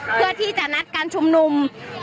เพื่อที่จะนัดการชุมนุม